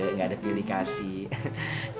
nggak ada pilih kasih